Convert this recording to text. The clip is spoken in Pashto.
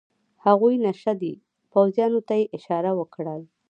هغوی نشه دي، پوځیانو ته یې اشاره وکړل.